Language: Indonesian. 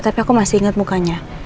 tapi aku masih ingat mukanya